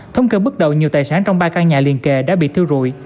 thông kê bước đầu nhiều tài sản trong ba căn nhà liên kề đã bị thiêu rụi